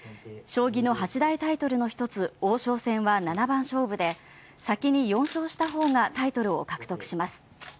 将棋の八大タイトルの一つ王将戦は７番勝負で先に４勝した方がタイトルを獲得します。